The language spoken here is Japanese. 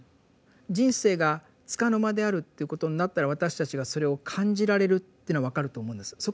人生が束の間であるということになったら私たちがそれを感じられるっていうのは分かると思うんです。